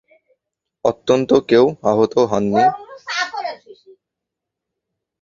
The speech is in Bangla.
অন্তত কেউ আহত হননি।